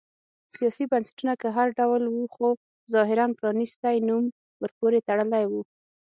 سیاسي بنسټونه که هر ډول و خو ظاهراً پرانیستی نوم ورپورې تړلی و.